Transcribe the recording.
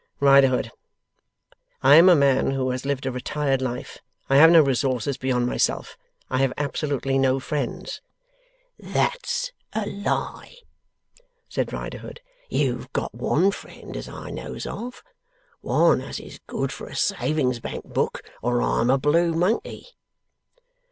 'Riderhood, I am a man who has lived a retired life. I have no resources beyond myself. I have absolutely no friends.' 'That's a lie,' said Riderhood. 'You've got one friend as I knows of; one as is good for a Savings Bank book, or I'm a blue monkey!